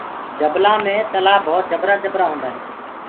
جبلآ مي تلآه ڀوت جبرآ جبرآ هوندآ هينٚ۔